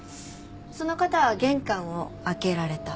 その方は玄関を開けられた？